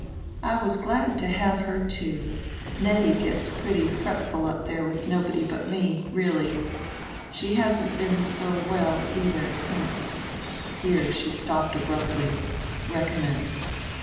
"I was glad to have her too; Nettie gets pretty fretful up there with nobody but me, really. She hasn't been so well, either, since " here she stopped abruptly, recommenced.